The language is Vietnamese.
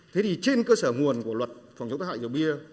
thế thì trên cơ sở nguồn của luật phòng chống tác hại rượu bia